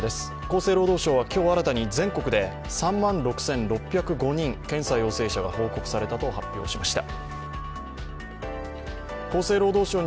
厚生労働省は今日新たに全国で３万６６０５人、検査陽性者が報告されたと発表しました。